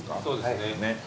そうですね。